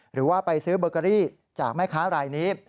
หรือว่าไปซื้อเบอร์เกอรี่จากแม่ค้ารายนี้